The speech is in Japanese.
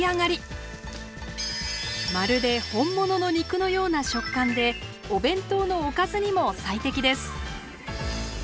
まるで本物の肉のような食感でお弁当のおかずにも最適です。